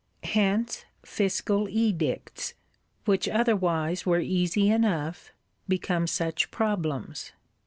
Hence fiscal Edicts, which otherwise were easy enough, become such problems.